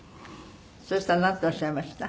そしたらなんておっしゃいました？